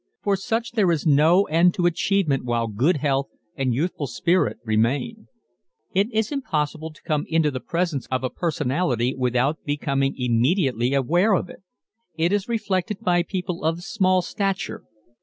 For such there is no end to achievement while good health and youthful spirit remain. It is impossible to come into the presence of a personality without becoming immediately aware of it. It is reflected by people of _small stature